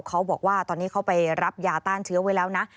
เขาบอกว่าตอนนี้เขาไปรับยาต้านเชื้อไว้แล้วนะ